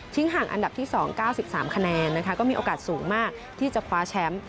ห่างอันดับที่๒๙๓คะแนนนะคะก็มีโอกาสสูงมากที่จะคว้าแชมป์